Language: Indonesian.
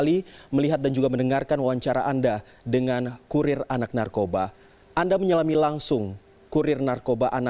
lingkungan inilah yang menjadi sekolah bagi mereka mengenal narkoba